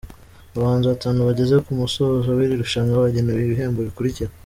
Abahanzi batanu bageze ku musozo w’iri rushanwa bagenewe ibihembo bikurikira;.